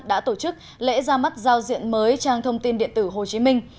đã tổ chức lễ ra mắt giao diện mới trang thông tin điện tử hồ chí minh